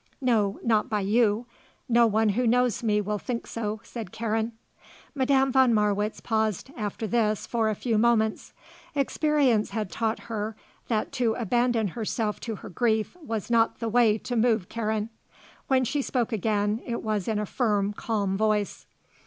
"No; not by you. No one who knows me will think so," said Karen. Madame von Marwitz paused after this for a few moments. Experience had taught her that to abandon herself to her grief was not the way to move Karen. When she spoke again it was in a firm, calm voice.